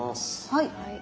はい。